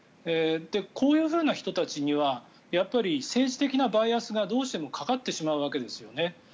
こういう人たちには政治的なバイアスがどうしてもかかってしまうわけですよね。